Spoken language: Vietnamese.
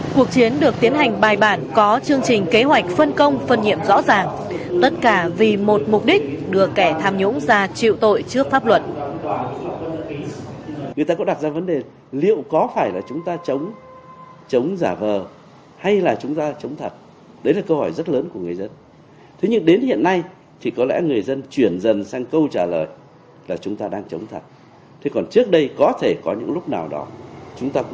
cuộc chiến được tiến hành bài bản có chương trình kế hoạch phân công phân nhiệm rõ ràng tất cả vì một mục đích đưa kẻ tham nhũng ra chịu tội trước pháp luật